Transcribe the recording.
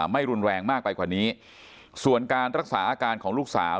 ไม่รุนแรงมากไปกว่านี้ส่วนการรักษาอาการของลูกสาว